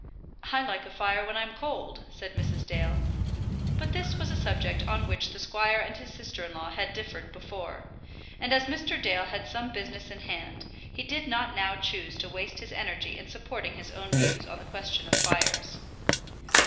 "I like a fire when I'm cold," said Mrs. Dale. But this was a subject on which the squire and his sister in law had differed before, and as Mr. Dale had some business in hand, he did not now choose to waste his energy in supporting his own views on the question of fires.